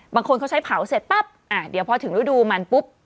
บางคนเขาใช้เผาเสร็จปั๊บเดี๋ยวพอถึงฤดูมันปุ๊บ